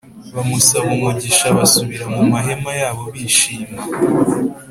bamusabira umugisha basubira mu mahema yabo bishima